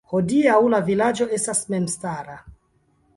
Hodiaŭ la vilaĝo estas memstara.